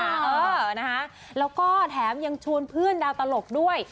เอาฮะแล้วหาแล้วก็แถมยังชวนเพื่อนดาวน์ตลกด้วย